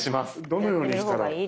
どのようにしたら？